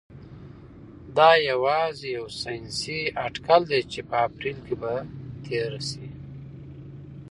دا یوازې یو ساینسي اټکل دی چې په اپریل کې به تیره شي.